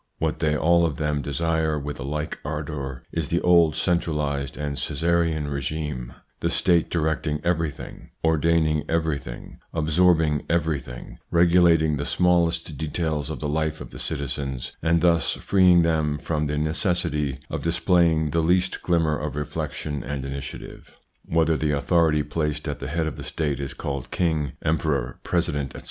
What they all of them desire with a like ardour is the old centralised and Caesarian regime, the State directing everything, ordaining everything, absorbing everything, regulating the smallest details of the life of the citizens, and thus freeing them from the necessity of displaying the least glimmer of reflection and initiative. Whether the authority placed at the head of the State is called king, emperor, president, etc.